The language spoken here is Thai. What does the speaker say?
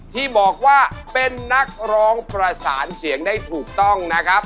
ที่บอกว่าเป็นนักร้องประสานเสียงได้ถูกต้องนะครับ